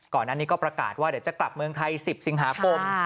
ก่อนอันนี้ก็ประกาศว่าเดี๋ยวจะกลับเมืองไทย๑๐สิงหาคม